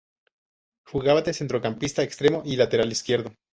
Jugaba de centrocampista, extremo y lateral izquierdo.